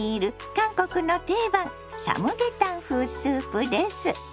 韓国の定番サムゲタン風スープです。